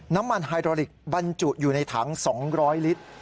ไฮโดริกบรรจุอยู่ในถัง๒๐๐ลิตร